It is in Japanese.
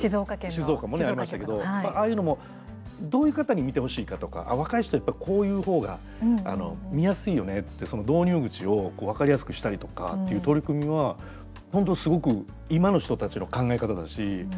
静岡もね、ありましたけどああいうのもどういう方に見てほしいかとか若い人、やっぱりこういうほうが見やすいよねってその導入口を分かりやすくしたりとかっていう取り組みは、本当すごく今の人たちの考え方だし。